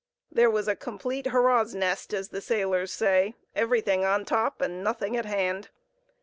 There was a complete "hurrah's nest," as the sailors say, "everything on top and nothing at hand."